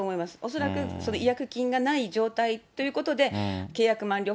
恐らく違約金がない状態ということで、契約満了。